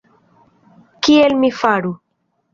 Kiel mi faru!